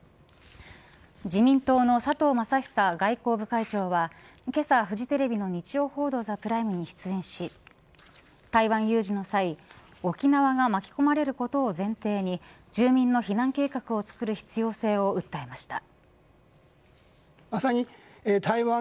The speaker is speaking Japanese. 自民党の佐藤正久外交部会長はけさ、フジテレビの日曜報道ＴＨＥＰＲＩＭＥに出演し台湾有事の際沖縄が巻き込まれることを前提に住民の避難計画を作る必要性を訴えました。